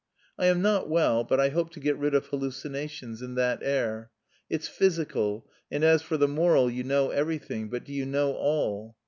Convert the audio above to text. "I am not well, but I hope to get rid of hallucinations in that air. It's physical, and as for the moral you know everything; but do you know all?